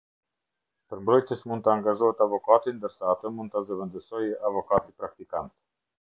Për mbrojtës mund të angazhohet avokati ndërsa atë mund ta zëvendësoj avokati praktikant.